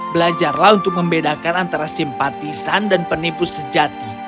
belajarlah untuk membedakan antara simpatisan dan penipu sejati